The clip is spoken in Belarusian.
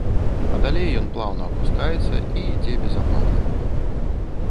А далей ён плаўна апускаецца і ідзе без ападкаў.